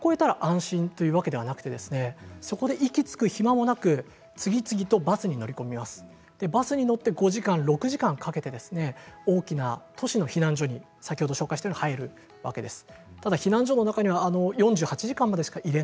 ただ国境を越えたら安心というわけではなくてそこで息つく暇もなく次々とバスに乗って５時間６時間かけて大きな都市の避難所に先ほど紹介したように入るわけです